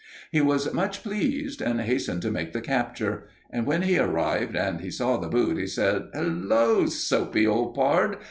He was much pleased and hastened to make the capture; and when he arrived and he saw the boot, he said: "Hullo, Soapy, old pard!